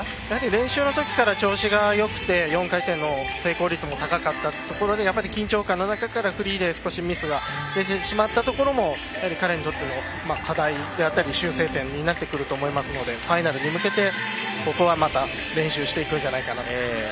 練習のときから調子がよくて４回転の成功率が高くてやっぱり緊張感の中からフリーで少しミスが出てしまったところも彼にとっての課題であったり修正点になってくると思うのでファイナルに向けてここは練習していくんじゃないかなと。